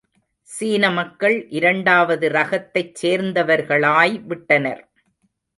சீன மக்கள் இரண்டாவது ரகத்தைச் சேர்ந்தவர்களாய் விட்டனர்.